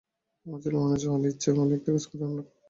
আমরা ছেলেমানুষ নই, ইচ্ছে হলেই একটা কাজ কি আমরা করতে পারি?